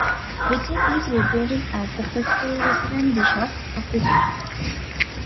Richard is regarded as the first real resident bishop of the see.